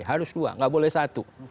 harus dua nggak boleh satu